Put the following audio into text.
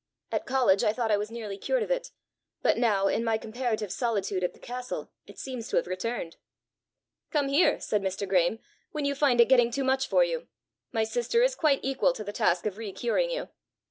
At college I thought I was nearly cured of it; but now, in my comparative solitude at the castle, it seems to have returned." "Come here," said Mr. Graeme, "when you find it getting too much for you: my sister is quite equal to the task of re curing you."